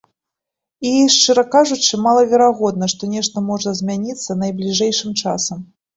І, шчыра кажучы, малаверагодна, што нешта можа змяніцца найбліжэйшым часам.